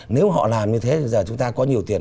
nếu họ làm như thế bây giờ chúng ta có nhiều tiền